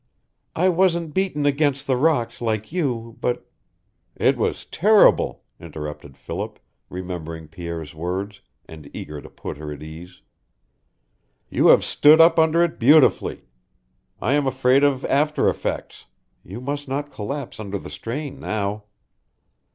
"I wasn't beaten against the rocks, like you, but " "It was terrible," interrupted Philip, remembering Pierre's words, and eager to put her at ease. "You have stood up under it beautifully. I am afraid of after effects. You must not collapse under the strain now."